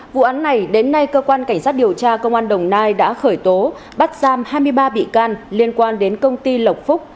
vụ án này đến nay cơ quan cảnh sát điều tra công an đồng nai đã khởi tố bắt giam hai mươi ba bị can liên quan đến công ty lộc phúc